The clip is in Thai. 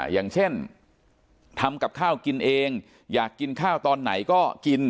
อย่างเช่นทำกับข้าวกินเองอยากกินข้าวตอนไหนก็กิน